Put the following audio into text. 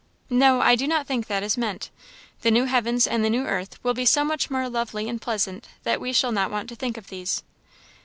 "No, I do not think that is meant. The new heavens and the new earth will be so much more lovely and pleasant that we shall not want to think of these."